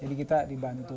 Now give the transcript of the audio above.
jadi kita dibantu